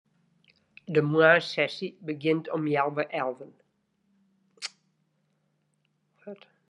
De moarnssesje begjint om healwei alven.